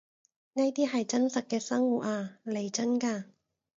呢啲係真實嘅生活呀，嚟真㗎